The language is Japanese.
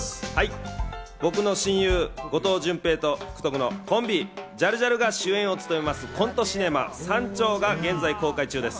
僕の親友・後藤淳平と福徳のコンビ、ジャルジャルが主演を務めますコントシネマ、『サンチョー』が現在公開中です。